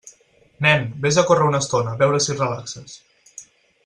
Nen, vés a córrer una estona, a veure si et relaxes.